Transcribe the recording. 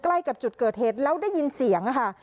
ใกล้กับจุดเกิดเหตุแล้วได้ยินเสียงค่ะ